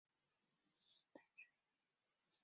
欧鲢是鲤科的一种淡水鱼。